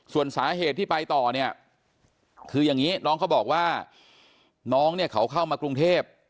ส่วนสาเหตุที่ไปต่อเนี่ยคืออย่างนี้น้องเขาบอกว่าน้องเนี่ยเขาเข้ามากรุงเทพ